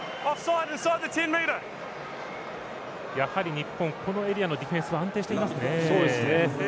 日本、このエリアのディフェンス安定していますね。